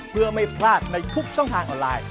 เพื่อไม่พลาดในทุกช่องทางออนไลน์